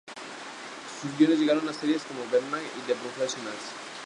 Sus guiones llegaron a series como "Bergerac" y "The Professionals".